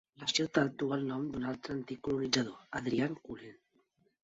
La ciutat duu el nom d'un altre antic colonitzador, Adrian Cullen.